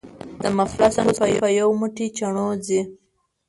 ” د مفلس حُسن په یو موټی چڼو ځي”